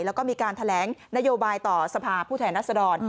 แล้วก็มีการแถลงนโยบายต่อสภาพผู้แทนรัศดร